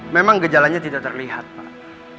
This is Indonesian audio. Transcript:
memang gejalanya tidak terlihat pak